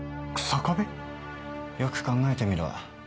よく考えてみろ。